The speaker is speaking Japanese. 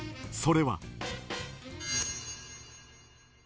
それは。